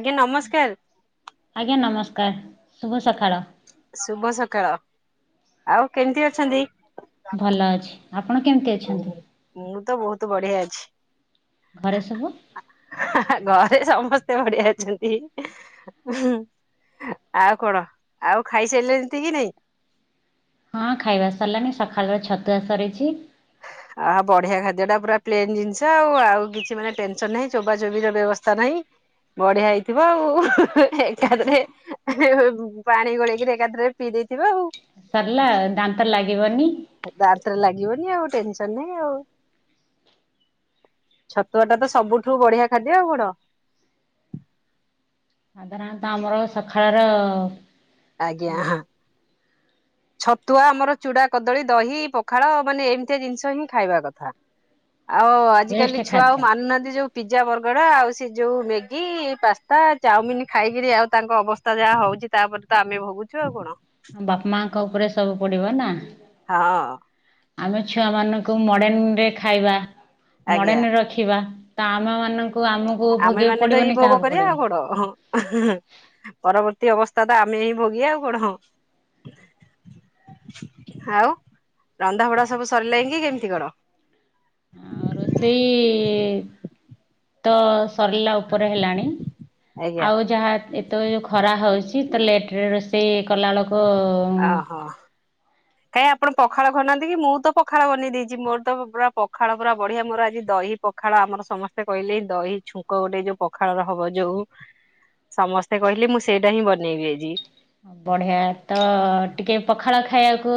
ଆଜ୍ଞା ନମସ୍କାର। ଆଜ୍ଞା ନମସ୍କାର ଶୁଭ ସଖାଳ। ଶୁଭ ସକାଳ ଆଉ କେମିତି ଅଛନ୍ତି? ଭଲ ଅଛି। ଆପଣ କେମିତି ଅଛନ୍ତି? ମୁଁ ତ ବହୁତ ବଢିଆ ଅଛି। ଘରେ ସବୁ? ଘରେ ସମସ୍ତେ ବଢିଆ ଅଛନ୍ତି। ଆଉ କଣ ଆଉ ଖାଇସାଇଲେଣି ତି କି ନାଇଁ। ହଁ ଖାଇବା ସରିଲାଣି ସଖାଳର ଛତୁଆ ସରିଛି। ଆ ବଢିଆ ଖାଦ୍ୟ ଟା ପୁରା ପ୍ଲେନ ଜିନିଷ ଆଉ ଆଉ କିଛି ମାନେ ଟେନସନ ନାହିଁ ଚୋବା ଚୋବି ର ବ୍ୟବସ୍ଥା ନାହିଁ। ବଢିଆ ହେଇଥିବ ଆଉ ଏକାଥରେ ପାଣି ଗୋଳେଇକିରି ଏକାଥରକେ ପିଇ ଦେଇଥିବେ ଆଉ। ସରିଲା ଦାନ୍ତରେ ଲାଗିବନି। ଦାନ୍ତରେ ଲାଗିବନି ଆଉ ଟେନସନ ନାହିଁ ଆଉ। ଛତୁଆଟା ତ ସବୁଠୁ ବଢିଆ ଖାଦ୍ୟ ଆଉ କଣ। ସାଧାରଣତଃ ଆମର ସକାଳ ର ଆଜ୍ଞା। ଛତୁଆ ଆମର ଚୁଡା, କଦଳୀ, ଦହି, ପଖାଳ ମାନେ ଏମିତିଆ ଜିନିଷ ହିଁ ଖାଇବା କଥା। ଆଉ ବେଷ୍ଟ ଆଜିକାଲି ଛୁଆ ଆଉ ଖାଦ୍ୟ। ମାନୁନାହାନ୍ତି ଯୋଉ ପିଜା, ବର୍ଗର ଆଉ ସେ ଯୋଉ ମେଗି, ପାସ୍ତା, ଚାଉମିିନ ଖାଇକିରି ଆଉ ତାଙ୍କ ଅବସ୍ଥା ତା ଯାହା ହଉଛି ତାପରେ ତ ଆମେ ଭୋଗୁଛୁ ଆଉ କଣ। ବାପା ମାଙ୍କ ଉପରେ ସବୁ ପଡିବ ନା। ହଁ। ଆମେ ଛୁଆ ମାନଙ୍କୁ ମଡେନ୍ ରେ ଖାଇବା ଆଜ୍ଞା ମଡେନ୍ ରଖ୍ ରଖିବା ତ ଆମ ମାନଙ୍କୁ ଆମକୁ ଆମେ ଭୋଗିବାକୁ ମାନେ ତ ଏଇ ପଡିବନି ଭୋଗ କାହାକୁ କରିବା ପଡିବ। ଆଉ କଣ ହଁ। ପରବର୍ତ୍ତୀ ଅବସ୍ଥା ତ ଆମେ ହିଁ ଭୋଗି ଆଉ କଣ ହ। ଆଉ ରନ୍ଧାବଢା ସବୁ ସରିଲାଣି କି କେମିତି କଣ? ଆଉ ରୋଷେଇ ତ ସରିଲା ଉପରେ ହେଲାଣି ଆଜ୍ଞା ଆଉ ଯାହା ଏତେ ଯୋରେ ଖରା ହେଉଛି ତ ଲେଟରେ ସେଇ କଲାବେଳକୁ କାହିଁ ଆପଣ ପଖାଳ ବ ଖାଉନାହାନ୍ତି କି ମୁଁ ତ ପଖାଳ ବନେଇ ଦେଇଛି ମୋର ତ ପୁରା ପଖାଳ ପୁରା ବଢିଆ ମୋର ଆଜି ଦହିପ ପଖାଳ ଆମର ସମସ୍ତେ କହିଲେ ଦହି ଛୁଙ୍କ ଗୋଟେ ଯୋଉ ପଖାଳର ହବ ଯୋଉ ସମସ୍ତେ କହିଲେ ମୁଁ ସେଇଟା ହିଁ ବନେଇବି ଆଜି। ବଢିଆ ତ ଟିକେ ପଖାଳ ଖାଇବାକୁ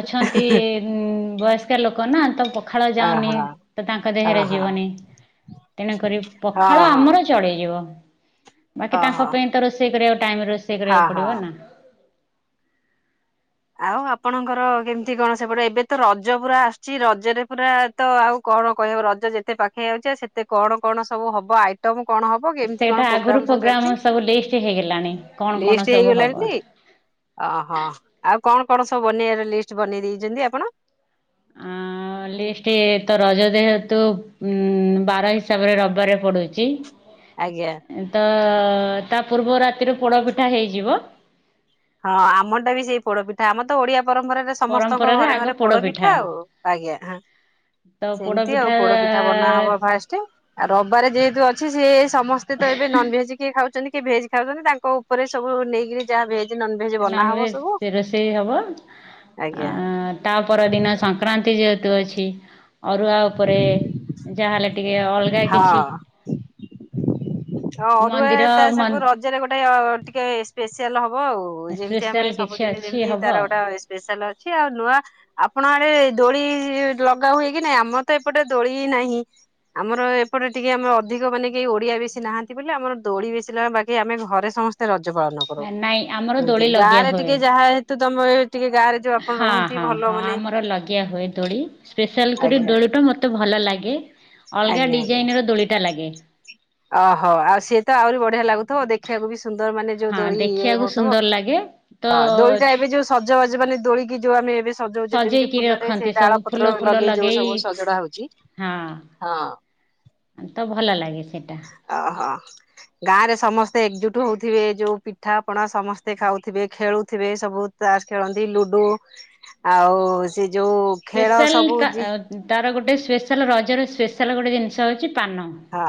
ଅଛନ୍ତି। ଉଁ ବୟସ୍କା ଲୋକ ନା ତ ପ ପଖାଳ ଅହ ଯାଉନି ତ ତାଙ୍କ ଦେହରେ ଅହ ଯିବନି ତେଣୁକରି ହଁ ପଖାଳ ହଁ ଆମର ଚଳିଯିବ ବାକି ଅହ ତାଙ୍କ ପାଇଁ ତ ରୋଷେଇ କରିବାକୁ ଟାଇମରେ ରୋଷେଇ ହଁ କରିବାକୁ ହଁ ପଡିବ ନା। ଆଉ ଆପଣଙ୍କର କେମିତି କଣ ସେପଟେ ଏବେ ତ ରଜ ପୁରା ଆସୁଛି ରଜରେ ପୁରା ତ ଆଉ କଣ କହିବ ରଜ ଯେତେ ପାଖେଇ ଯାଉଛେ ସେତେ କଣ କଣ ସବୁ ହବ ଆଇଟମ କଣ ହବ? ହ କେମିତି ସେଇଟା କଣ ଆଗରୁ ପ୍ରୋଗ୍ରାମ ସବୁ ପ୍ରୋଗ୍ରାମ୍ ଚାଲିଛି ସବୁ ଲିଷ୍ଟ ହେଇଗଲାଣି କ'ଣ କ'ଣ ଲିଷ୍ଟ ସବୁ ହବ ହେଇଗଲାଣି। ଓହୋ ଆଉ କଣ କଣ ସବୁ ବନେଇବାର ଲିଷ୍ଟ ବନେଇ ଦେଇେଇଛନ୍ତି ଆପଣ? ଆଁ! ଲିଷ୍ଟ ତ ରଜ ଯେହେତୁ ବାର ହିସାବରେ ରବିବାରିଆ ପଡୁଛି। ଆଜ୍ଞା। ଏ ତ ତା ପୂର୍ବ ରାତିରୁ ପୋଡ ପିଠା ହେଇଯିବ। ହଁ ଆମ ଟା ବି ସେଇ ପୋଡପିଠା ଆମ ତ ଓଡିଆ ପରମ୍ପରାରେ ସମସ୍ତଙ୍କ ପରମ୍ପରାରେ ଘରେ ଆଗ ଘରେ ପୋଡ ପୋଡ଼ପିଠା ପିଠା ଆଉ ଆଜ୍ଞା ହ। ତ ସେମିତି ଆଉ ପୋଡ଼ପିଠା ପୋଡପିଠା ବନା ହବ ଫାଷ୍ଟ। ଆଉ ରବିବାରେ ଯେହେତୁ ଅଛି ସେ ସମସ୍ତେ ତ ଏବେ ନନ ଭେଜ କିଏ ଖାଉଛନ୍ତି କିଏ ଭେଜ ଖାଉଛନ୍ତି ତାଙ୍କ ଉ ଉପରେ ସବୁ ନେଇକିରି ଯାହା ଭେଜ ନନଭେଜ ବନାହବ ସବୁ ନନଭେଜ ରୋଷେଇ ହବ ଆ ଆଜ୍ଞା ତା ପର ଦିନ ସଂକ୍ରାନ୍ତି ଯେହେତୁ ଅଛି। ଅରୁଆ ଉପରେ ଯାହା ହେଲେ ଟିକେ ଅଲଗା କିଛି ଅ ଅରୁଆ ମନ୍ଦିର ତା ସାଙ୍ଗ ରଜରେ ଗୋଟେ ଟିକେ ସ୍ପେଶିଆଲ ହବ ଆଉ। ବୋଓ ଯେମିତି ସ୍ପେଶାଲ ଆମେ କିଛି ସବୁଦିନେ ଅଛି ଯେମିତି ହବ ତାର ଗୋଟେ ସ୍ପେଶାଲ ଅଛି ଆଉ ନୂଆ ଆପଣ ଆଡେ ଦୋଳି ଲଗା ହୁଏ କି ନାଇଁ ଆମର ତ ଏପଟେ ଦୋଳି ନାହିଁ। ଆମର ଏପଟେ ଟିକେ ଆମେ ଅଧିକ ମାନେ କେହି ଓଡିଆ ବେଶୀ ନାହାନ୍ତି ବୋଲି ଆମର ଦୋଳି ବେଶୀ ଲାଗା ବାକି ଆମେ ଘରେ ସମସ୍ତେ ରଜ ପାଳନ କରୁ ନାଇଁ ଆମର ଏମତି ଦୋଳି ଲଗିଆ ଗାଁରେ ଟିକେ ହୁଏ ଯାହା ହେତୁ ତମେ ଟିକେ ଗାଁରେ ହଁ ହଁ ହଁ ଆମର ଲଗେଇଆ ହୁଏ ଦୋଳି ସ୍ପେଶାଲ କରି ଆଜ୍ଞା ଦୋଳି ଟା ମତେ ଭଲ ଲାଗେ ଅଲଗା ଆଜ୍ଞା ଆଜ୍ଞା ଡିଜାଇନର ଦୋଳିଟା ଲାଗେ। ଓହୋ ଆଉ ସିଏ ତ ଆହୁରି ବଢିଆ ଲାଗୁଥିବ ଦେଖିବାକୁ ବି ସୁନ୍ଦର ମାନେ ଯୋଉ ଦୋଳି ଇଏ ହଉଥିବ। ଭଲ ଲାଗେ। ତ ହଁ ଦୋଳିଟା ଏବେ ଯୋଉ ସଜବାଜ ମାନେ ଦୋଳିିକି ଯୋଉ ଆମେ ଏବେ ସଜଉଛି ଯେମିତି ସଜେଇକି ଫୁଲରେ ସେ ରଖନ୍ତି ସବୁ ଡାଳ ଫୁଲ ପତ୍ର ଫୁଲ ଲଗେଇ ଯଉ ସବୁ ସଜଡା ହଉଛି ହଁ ତ ଭଲ ଲାଗେ ସେଟା। ଅହୋ। ଗାଁରେ ସମସ୍ତେ ଏକଜୁଟ ହଉଥିବେ ଯୋଉ ପିଠାପଣା ସମସ୍ତେ ଖାଉଥିବେ ଖେଳୁଥିବେ ସବୁ ତାସ ଖେଳନ୍ତି ଲୁଡୁ ଆଉ ସେ ଯୋଉ ଖେଳ ସ୍ପେଶାଲ ସବୁ ତା ଜି ତାର ଗୋଟେ ସ୍ପେଶାଲ୍ ରଜରେ ସ୍ପେଶାଲ୍ ଗୋଟେ ଜିନିଷ ହଉଛି ପାନ। ହଁ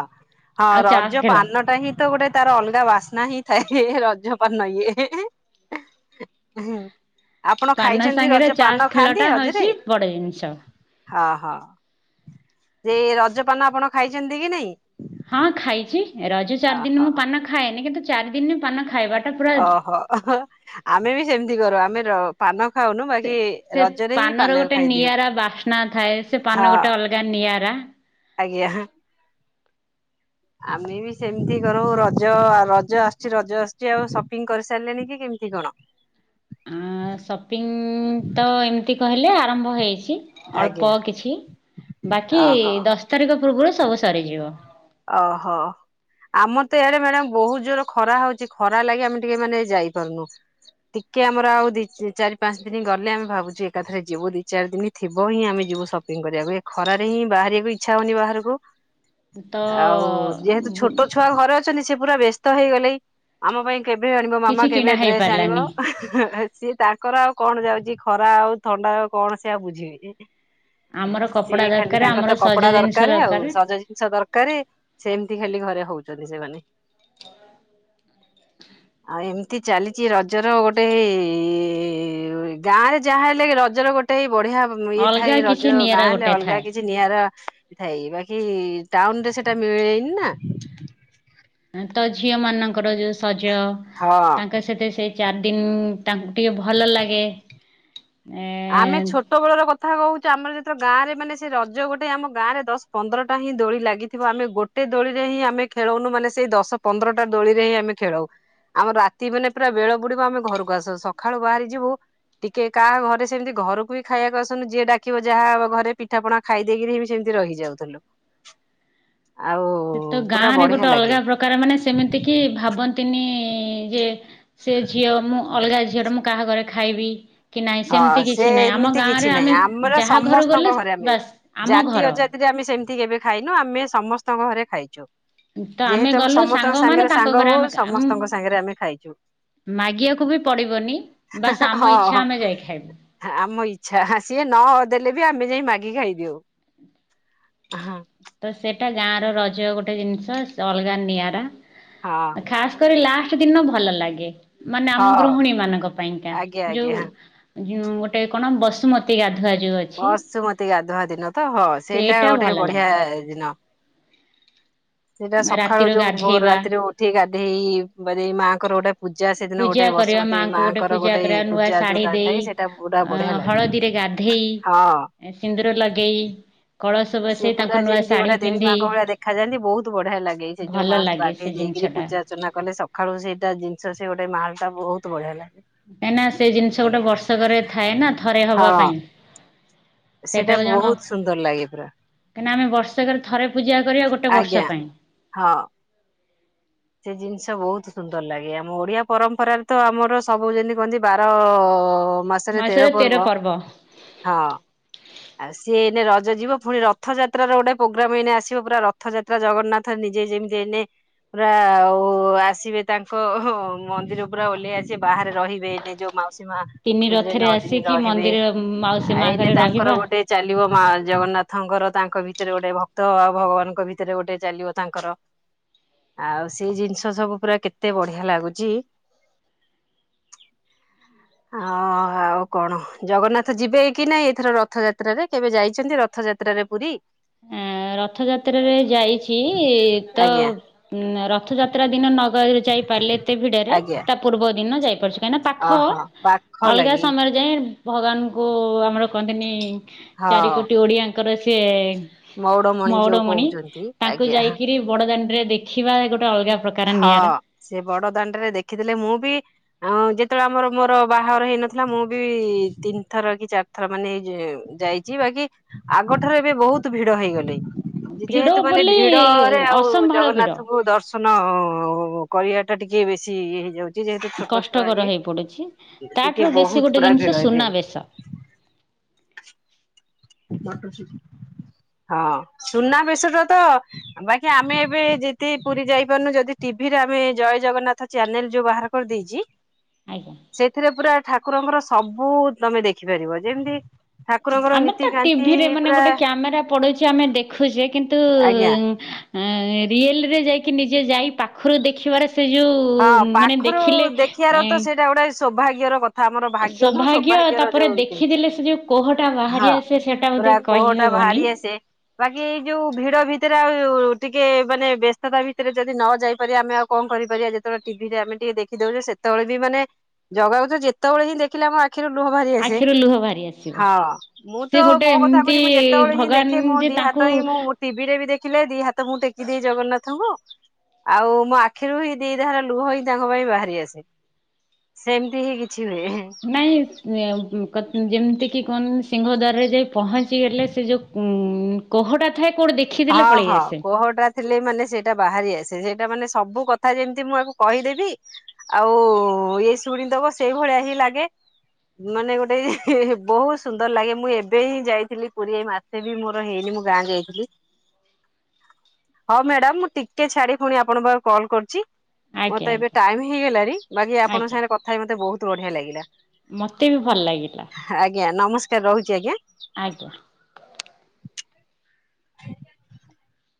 ହଁ ଆଉ ଚାସ୍ ରଜ ଖେଳ ପାନଟା ହିଁ ତ ଗୋଟେ ତାର ଅଲଗା ବାସ୍ନା ହିଁ ଥାଏ ରଜ ପାନ ଇଏ ହେଁ ହେଁ। [unintelligible] ଆପଣ ପାନ ଖାଇଛନ୍ତି ସାଙ୍ଗରେ ରଜ ଚାସ୍ ପାନ ଖାଆନ୍ତି ଖେଳଟା ରଜରେ? ହଉଛି ବଡ ଜିନିଷ। ହଁ ହଁ। ଦେ ରଜପାନ ଆପଣ ଖାଇଛନ୍ତି କି ନାଇଁ? ହଁ ଖାଇଛି ରଜ ଚାରି ଦିନ ଓହୋ। ମୁଁ ପାନ ଖାଏନି, କିନ୍ତୁ ଚାରି ଦିନ ପାନ ଖାଇବା ଅହୋ ଆମେ ବି ସେମତି କରୁ ଆମେ ର ପାନ ଖାଉ ସେ ସେ ପାନର ଗୋଟେ ନିଆରା ବାସ୍ନା ଥାଏ। ସେ ପାନ ହଁ ଗୋଟେ ଅଲଗା ନିଆରା ଆଜ୍ଞା। ଆମେ ବି ସେମିତି କରୁ ରଜ ରଜ ଆସୁଛି ରଜ ଆସୁଛି ଆଉ ସପିଙ୍ଗ କରିସାରିଲେଣିି କି କେମିତି କଣ? ଆଁ ସପିଂ ତ- ଏମିତି କହିଲେ ଆରମ୍ଭ ହେଇଛି। ଅଳ୍ପ ଆଜ୍ଞା କିଛି ବାକି ଓହୋ ଦଶ ତାରିଖ ପୂର୍ବରୁ ସବୁ ସରିଯିବ। ଅହୋ। ଆମର ତ ଈଆଡେ ମ୍ୟାଡାମ ବହୁତ ଯୋର ଖରା ହଉଛି, ଖରା ଲାଗି ଆମେ ଟିକେ ମାନେ ଯାଇପାରୁନୁ। ଟିକେ ଆମର ଆଉ ଦି ଚାରି ପାଞ୍ଚ ଦିନ ଗଲେ ଆମେ ଭାବୁଛୁ ଏକାଥରେ ଯିବୁ ଦି ଚାରି ଦିନି ଥିବ ହିଁ ଆମେ ଯିବୁ ସପିଙ୍ଗ କରିବାକୁ ଏ ଖରାରେ ହିଁ ବାହାରିବାକୁ ଇଚ୍ଛା ହଉନି ବାହାରକୁ। ତ ଆଉ ଯେହେତୁ ଛୋଟ ଛୁଆ ଘରେ ଛନ୍ତି ସେ ପୁରା ବ୍ୟସ୍ତ ହେଇଗଲେ ଆମ ପାଇଁ କେବେ ଆଣିବ ମାମା କିଛି କିଣା କେବେ ଡ୍ରେସ୍ ଆଣିବ? ହେଇପାରିଲାନି ସିଏ ତାଙ୍କର ଆଉ କଣ ଯାଉଛି ଖରା ଆଉ ଥଣ୍ଡା ଆଉ କଣ ସେ ଆଉ ବୁଝିବେ? ଆମର ସେ କପଡ଼ା ଖାଲି ଦରକାର ତାଙ୍କର ଆମର ତ ସଜ କପଡା ଜିନିଷ ଦରକାର ଆଉ ସଜ ଜିନିଷ ରେ ସେମିତି ଖାଲି ଘରେ ହଉଛନ୍ତି ସେମାନେ। [unintelligible] ଆଉ ଏମିତି ଚାଲିଛି ରଜର ଗୋଟେ ଏ-ଏ ଗାଁ ରେ ଯାହା ହେଲେ ରଜର ଗୋଟେ ବଢିଆ ଇଏ ଅଲଗା ଥାଏ କିଛି ରଜ ଗାଁ ନିଆରା ହେଲେ ଗୋଟେ ଅଲଗା ଥାଏ କିଛି ଯେ ନିଆରା ଥାଇ ବାକି ଟାଉନରେ ସେଟା ମିଳେନି ନା। ତ ଝିଅ ମାନଙ୍କର ଯୋଉ ସଜ ହଁ। ତାଙ୍କ ସହିତ ସେଇ ଚାରି ଦିନ ତାଙ୍କୁ ଟିକେ ଭଲ ଲାଗେ। ଆମେ ଏ ଛୋଟ ବେଳର କଥା କହୁଛି ଆମର ଯେତେବେଳେ ଗାଁରେ ମାନେ ସେ ରଜ ଗୋଟେ ଆମ ଗାଁରେ ଦଶ ପନ୍ଦରଟା ହିଁ ଦୋଳି ଲାଗିଥିବ ଆମେ ଗୋଟେ ଦୋଳିରେ ହିଁ ଆମେ ଖେଳଉନୁ ମାନେ ସେଇ ଦଶ ପନ୍ଦରଟା ଦୋଳିରେ ହିଁ ଆମେ ଖେଳଉ। ଆମର ରାତି ମାନେ ପୁରା ବେଳ ବୁଡିବ ଆମେ ଘରକୁ ଆସୁ ସକାଳୁ ବାହାରି ଯିବୁ ଟିକେ କାହା ସେମିତି ଘରକୁ ବି ଖାଇବାକୁ ଆସନୁ ଯିଏ ଡାକିବ ଯାହା ଘରେ ପିଠାପଣା ଖାଇ ଦେଇେଇକିରି ହିଁ ସେମିତି ରହିଯାଉଥିଲୁ। ଆଉ ସେ ତ ଗାଁ ପୁରା ରେ ବଢିଆ ଗୋଟେ ଲାଗେ ଅଲଗା ପ୍ରକାର ମାନେ ସେମିତି କି ଭାବନ୍ତିନି ଯେ ସେ ଝିଅ, ମୁଁ ଅଲଗା ଝିଅ ଟା ମୁଁ କାହା ଘରେ ଖାଇବି? କି ନାହିଁ ହଁ ସେମିତି ସେ କିଛି ନାହିଁ। ଆମ ଏମିତି କିଛି ଗାଁରେ ନାହିଁ ଆମେ ଆମର ଯାହା ଘରୁ ଗଲେ ବାସ୍ ଆମ ଘର। ଯେ ଆମେ ସେମିତି କେବେ ଖାଇନୁ, ଆମେ ସମସ୍ତଙ୍କ ଘରେ ଖାଇଛୁ। ତ ଯେହେତୁ ଆମେ ଗଲୁ ସମତଙ୍କ ସାଙ୍ଗମାନେ ସାଙ୍ଗରେ ତାଙ୍କ ସାଙ୍ଗ ଘରେ ହଉ ଆମେ ସମସ୍ତଙ୍କ ସାଙ୍ଗରେ ଆମେ ଖାଇଛୁ। ମାଗିବାକୁ ବି ପଡିବନି ବାସ୍ ଆମ ଇଚ୍ଛା ହଁ। ଆମେ ଯାଇ ଖାଇବୁ। ଆମ ଇଚ୍ଛା ସିଏ ନ ଦେଲେ ବି ଆମେ ଯାଇ ମାଗି ଖାଇଦେଉ। ହଁ। ତ ସେଟା ଗାଁ ର ରଜ ଗୋଟେ ଜିନିଷ ଅଲଗା ନିଆରା। ହଁ। ଖାସ୍ କରି ଲାଷ୍ଟ ଦିନ ଭଲ ଲାଗେ। ମାନେ ଆମ ହଁ ଗୃହିଣୀ ମାନଙ୍କ ପାଇଁକା ଆଜ୍ଞା ଯୋଉ ଆଜ୍ଞା। ଯେଉଁ ଗୋଟେ କଣ ବସୁମ ମତି ଗାଧୁଆ ଯୋଉ ଅଛି ବସୁମତୀ ଗାଧୁଆ ଦିନ ତ ହଁ ସେଇଟା ଭଲ ଗୋଟେ ବଢିଆ ଲାଗେ ଦିନ। ସେଇଟା ସକାଳୁ ରାତିର ଯୋଉ ଭୋର ଗାଧେଇବା ରାତିରୁ ଉଠି ଗାଧେଇ-ଇ-ଇ ବାରେ ମାଆଙ୍କର ଗୋଟେ ପୂଜା ସେଦିନ ପୂଜା ଗୋଟେ କରିବା ବସୁମତୀ ମାଆଙ୍କୁ ମାଆଙ୍କର ପୂଜା ଗୋଟେ କରିବା ନୂଆ ପୂଜା ଶାଢ଼ୀ ଯୋଉଟା ଥାଏ ସେଇଟା ପୁରା ବଢିଆ ଲାଗେ। ଧେଇ, ହଁ। ସିନ୍ଦୁର ଲଗେଇ କଳସ ସେ ବସେଇ ତାଙ୍କୁ ପୁରା ନୂଆ ଯେମିତି ଶାଢ଼ୀ ଗୋଟେ ଦେବୀ ପିନ୍ଧେଇ ମାଆଙ୍କ ଭଳିଆ ଦେଖାଯାଆନ୍ତି, ବହୁତ ବଢିଆ ଲାଗେ ସେ ଯୋଉ ଭଲ ମାଆଙ୍କୁୁ ଲାଗେ ଗାଧ୍ ସେ ଗାଧେଇ ଦେଇକିରି ଜିନିଷଟା ପୂଜ ଅର୍ଚ୍ଚନା କଲେ ସକାଳୁ ସେଇଟା ଜିନିଷ ସେ ଗୋଟେ ମାହୋଲଟା ବହୁତ ବଢିଆ ଲାଗେ। କାଇଁ ନା ସେ ଜିନିଷ ଗୋଟେ ଆଜ୍ଞା ବର୍ଷକରେ ଥାଏ ନା ଥରେ ହବା ହଁ ପାଇଁ। ସେଇଟା ବହୁତ ସୁନ୍ଦର ଲାଗେ ପୁରା। କାହିଁନା ଆମେ ବର୍ଷକରେ ଥରେ ପୂଜା କରିବା ଗୋଟେ ବର୍ଷ ଆଜ୍ଞା ପାଇଁ। ହଁ। ସେ ଜିନିଷ ବହୁତ ସୁନ୍ଦର ଲାଗେ ଆମ ଓଡିଆ ପରମ୍ପରାରେ ତ ଆମର ସବୁ ଯେମିତି କୁହନ୍ତି ବାର ମାସରେ ତେର ପର୍ବ, ହଁ। ଆଉ ସିଏ ଏଇନେ ରଜ ଯିବ ପୁଣି ରଥଯାତ୍ରାର ଗୋଟେ ପୋଗ୍ରାମ ଏଇନେ ଆସିବ ପୁରା ର ରଥଯାତ୍ରା ଜଗନ୍ନାଥ ନିଜେ ଯେମିତି ଏଇନେ ପୁରା-ଆ-ଆ-ଓ-ଓ ଆସିବେ ତାଙ୍କ-ଅ-ଅ ମନ୍ଦିରୁ ପୁରା ଓହ୍ଲେଇ ଆସିବେ ବାହାରେ ରହିବେ। ନିଜ ମାଉସୀ ମାଆ ତିନି ମନ୍ଦିରେ ରଥରେ ନଅ ଦିନ ଆସିକି ରହିବେ, ମନ୍ଦିର ମାଉସୀ ମା ଏଇନେ ଘରେ ତାଙ୍କର ରହିବା। ଗୋଟେ ଚାଲିବ ମାଆ ଜଗନ୍ନାଥଙ୍କର ତାଙ୍କ ଭିତରେ ଗୋଟେ ଭକ୍ତ ଆଉ ଭଗବାନଙ୍କ ଭିତରେ ଗୋଟେ ଚାଲିବ ତାଙ୍କର। ଆଉ ସେଇ ଜିନିଷ ସବୁ ପୁରା କେତେ ବଢିଆ ଲାଗୁଛି। ଆଁ-ଅ-ଅ-ଅ ଆଉ କଣ, ଜଗନ୍ନାଥ ଯିବେ କି ନାଇଁ ଏଥର ରଥଯାତ୍ରାରେ କେବେ ଯାଇଛନ୍ତି ରଥଯାତ୍ରାରେ ପୁରୀ? ଆଁ-ଆ ରଥଯାତ୍ରାରେ ଯାଇଛି-ଇ ତ ଆଜ୍ଞା ଉଁ ର ରଥଯାତ୍ରା ଦିନ ନଗ-ଯାଇପାରିଲେ ଏତେ ଭିଡରେ ଆଜ୍ଞା ତା ପୂର୍ବ ଦିନ ଯାଇପାରୁଛୁ। କାହିଁକିନା ପାଖ, ଅହ ପାଖ ଅଲଗା ଲାଗି ସମୟରେ ଯାଇଁ ଭଗବାନଙ୍କୁ-ଉ-ଉ ଆମର କହନ୍ତିନି ହଁ ଚାରି କୋଟି ଓଡିଆଙ୍କର ସିଏ ଯୋଉ ମଉଡମଣି, କହୁଛନ୍ତି। ତାଙ୍କୁ ଆଜ୍ଞା ଯାଇକିରି ବଡଦାଣ୍ଡରେ ଦେଖିବା ଗୋଟେ ଅଲଗା ପ୍ର ହଁଅ ସେ ବଡ ଦାଣ୍ଡରେ ଦେଖିଦେଲେ ମୁଁ ବି ଅଁ-ଅଁ ଯେତେବେଳେ ଆମର ମୋର ବାହାଘର ହେଇନଥିଲା ମୁଁ ବି-ଇ-ଇ ତିନି ଥର କି ଚାର୍ ଥର ମାନେ ଯ-ଅ-ଯାଇଛି ବାକି ଆଗଠାରୁ ଏବେ ବହୁତ ଭିଡ ହେଇଗଲେଇଁ। ଭିଡ ଯେହେତୁ ମାନେ ବୋଲି ଭିଡ-ଅ-ଅ-ରେ ଆଉ ଅସମ୍ଭାଳ ଭିଡ ଜଗନ୍ନାଥଙ୍କୁ ଦର୍ଶ ର୍ଶନ-ଅ-ଅ-ଅ-ଅ କରିବାଟା ଟିକେ ବେଶୀ ଏ ହେଇଯାଉ [inaudible] ଯେହେତୁ ଛୋଟ ଛୁଆ କଷ୍ଟକର ଇଏ, ହେଇ ପଡୁଛି। ତାଠାରୁ ଟିକେ ବେଶୀ ବହୁତ ଗୋଟେ ପୁରା ଜିନିଷ ଭିଡ ଏବେ ସୁନାବେଶ ହଁ ସୁନାବେଶଟା ତ ବାକି ଆମେ ଏବେ ଯେତି ପୁରୀ ଯାଇପାରୁନୁ ଯଦି ଟିଭିରେ ଆମେ ଜୟ ଜଗନ୍ନାଥ ଚ୍ୟାନେଲ ଯୋଉ ବାହାର କରିଦେଇଚି ଆଜ୍ଞା। ସେଥିରେ ପୁରା ଠାକୁରଙ୍କର ସବୁ ତମେ ଦେଖିପାରିବ ଯେମିତି ଠାକୁରଙ୍କର ଆମେ ‌ନୀ ତ ଟିଭିରେ ମାନେ ଗୋଟେ କ୍ୟାମେରା ପଡୁଛି ଆମେ ଦେଖୁଛେ କିନ୍ତୁ ଆଜ୍ଞା ଏଁ-ଏଁ-ଏଁ ରିଏଲରେ ଯାଇକି ନିଜେ ଯାଇ ପାଖରୁ ଦେଖିବାର ସେ ହଁ ଯୋଉ-ଉ-ଉ ମାନେ ପାଖରୁ ଦେଖିଲେ ଦେଖିବାର ତ ସେଇଟା ଗୋଟେ ସୌଭାଗ୍ୟର କ ଥା, ଆମର ଭାଗ୍ୟ ନୁହଁ ସୌଭାଗ୍ୟ ସୌଭାଗ୍ୟର ତାପରେ ଯୋଉ କିନ୍ତୁ, ଦେଖିଦେଲେ ସେ ଯୋଉ କୋହଟା ବାହାରି ହଁ ଆସେ ସେଟା ବୋଧେ ପୁରା କୋହଟା କହିହବନି। ବାହାରି ଆସି ସେ ବାକି ଏଇ ଯୋଉ ଭିଡ ଭିତରେ ଆଉ-ଉ-ଉ ଟିକେ ମାନେ ବ୍ୟସ୍ତତା ଭିତରେ ଯଦି ନ ଯାଇପାରିବା ଆମେ ଆଉ କଣ କରିପାରିବା ଯେ ଯେତେବେଳେ ଟିଭିରେ ଆମେ ଟିକେ ଦେଖିଦଉଛେ ସେତେବେଳେ ବି ମାନେ ଜଗାକୁ ତ ଯେତେବେଳେ ହିଁ ଦେଖିଲେ ଆମ ଆଖ୍ ଆଖିରୁ ଲୁହ ବାହାରି ଆସେ, ଆଖିରୁ ଲୁହ ବାହାରି ଆସିବ। ହଁ ମୁଁ ସେ ତ ଗୋଟେ ମୋ କଥା କହୁଛି ମୁଁ ଯେତେବେଳେ ହିଁ ଦେଖେ ମୋ ଦି ହାତ୍ ହୁଁ। ମୁଁ ଟିଭି ରେ ବି ଦେଖିଲେ ଦି ହାତ ମୁଁ ଟେକି ଦିଏ ଜଗନ୍ନାଥଙ୍କୁ ଆଉ ମୋ ଆଖିରୁ ହି ଦି ଧାର ଲୁହ ହିଁ ତାଙ୍କ ପାଇଁ ବାହାରି ଆସେ ସେମିତି ହିଁ କିଛି ହୁଏ। ନାଇଁ [unintelligible] କ ଯେମିତି କି କୁହନ ସିଂହ ଦ୍ୱାରରେ ଯାଇ ପହଞ୍ଚିଗଲେ ସେ ଯଉ ଉ କୋହଟଥାଏ କୋଉଟ ଦେଖ ହଁ ହଁ କୋହଟା ଥିଲେ ମାନେ ସେଇଟା ବାହାରି ଆସେ ସେଇଟା ମାନେ ସବୁ କଥା ଯେମିତି ମୁଁ ଆକୁ କହିଦେବି ଆଉ ଏଇ ଶୁଣିଦବ ସେଇ ଭଳିଆ ହିଁ ଲାଗେ। ମାନେ ଗୋଟେ ବହୁତ ସୁନ୍ଦର ଲାଗେ ମୁଁ ଏବେ ହିଁ ଯାଇଥିଲି ପୁରୀ ଏଇ ମାସ ସେ ବି ମୋର ହେଇନି ମୁଁ ଗାଁ ଯାଇଥିଲି। ହଁ ମ୍ୟାଡାମ ମୁଁ ଟିକେ ଛାଡି ପୁଣି ଆପଣଙ୍କ ପାଖକୁ କଲ୍ କରିୁଚି। ଆଜ୍ଞା ମତେ ଏବେ ଆଜ୍ଞା ଟାଇମ ହେଇଗଲାଣି ବାକି ଆପଣଙ୍କ ଆଜ୍ଞା ସାଙ୍ଗରେ କଥା ହ ମତେ ବହୁତ ବଢିଆ ଲାଗିଲା। ମତେ ବି ଭଲ ଲାଗିଲା। ଆଜ୍ଞା ନମସ୍କାର ରହୁଚି ଆଜ୍ଞା। ଆଜ୍ଞା। [inaudible]